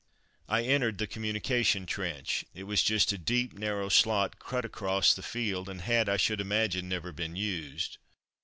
I entered the communication trench. It was just a deep, narrow slot cut across the field, and had, I should imagine, never been used.